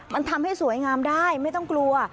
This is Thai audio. มันทำให้สวยงามได้ไม่ต้องกลัว